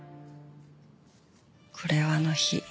これをあの日。